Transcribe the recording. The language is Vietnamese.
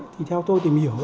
thì theo tôi tìm hiểu